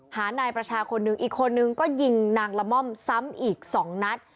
หานายประชาคนหนึ่งอีกคนนึงก็ยิงนางละม่อมซ้ำอีก๒นัด